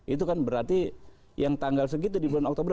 itu kan berarti yang tanggal segitu di bulan oktober